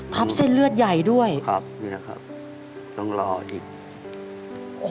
เส้นเลือดใหญ่ด้วยครับนี่นะครับต้องรออีกโอ้โห